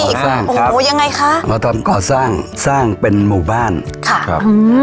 ยังไงคะมาทำป่อสร้างสร้างเป็นหมู่บ้านค่ะครับอืม